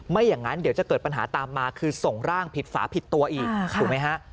ไม่อย่างนั้นเดี๋ยวจะเกิดปัญหาตามมาคือส่งร่างผิดฝาผิดตัวอีกถูกไหมฮะ